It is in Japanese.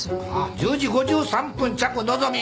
１０時５３分着のぞみ。